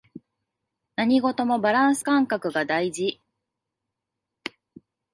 何事もバランス感覚が大事